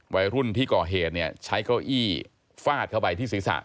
วัยรุ่นที่ก่อเหนี่ยใช้เก้าอี้ฟาดเข้าไปที่ศิษย์ศาสตร์